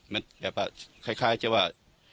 มันแบบว่าคล้ายจะว่า